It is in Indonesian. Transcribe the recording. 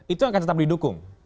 itu akan tetap didukung